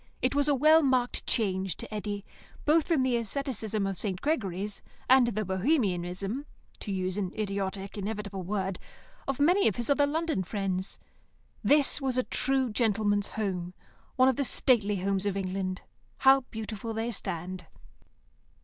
It was a well marked change to Eddy, both from the asceticism of St. Gregory's, and the bohemianism (to use an idiotic, inevitable word) of many of his other London friends. This was a true gentleman's home, one of the stately homes of England, how beautiful they stand.